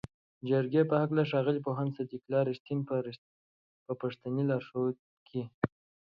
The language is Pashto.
جرګې په هکله ښاغلي پوهاند صدیق الله "رښتین" په پښتني لارښود کې